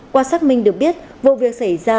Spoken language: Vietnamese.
qua xác minh được biết vụ việc xảy ra